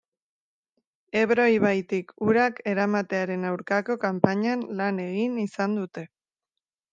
Ebro ibaitik urak eramatearen aurkako kanpainan lan egin izan dute.